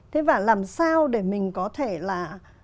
thế và làm sao để mình có thể là